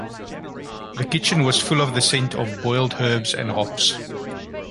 The kitchen was full of the scent of boiled herbs and hops.